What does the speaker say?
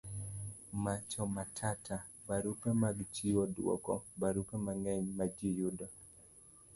Macho Matata. barupe mag chiwo duoko. barupe mang'eny majiyudo